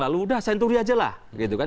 lalu udah senturi aja lah gitu kan